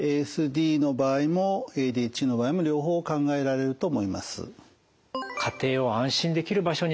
ＡＳＤの場合もＡＤＨＤの場合も両方考えられると思います。